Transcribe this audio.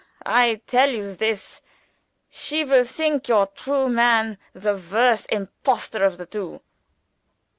I tell you this! she will think your true man the worst impostor of the two."